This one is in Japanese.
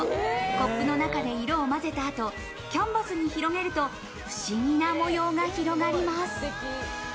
コップの中で色を混ぜたあと、キャンバスに広げると不思議な模様が広がります。